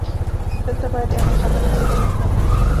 دلته باید یوه خبره هېره نه کړم.